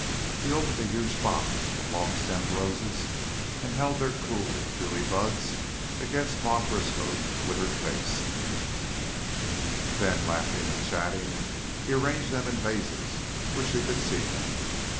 He opened a huge box of long stemmed roses and held their cool, dewy buds against Ma Briskow's withered face, then, laughing and chatting, he arranged them in vases where she could see them.